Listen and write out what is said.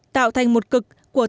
tạo thành một cực của ba đồng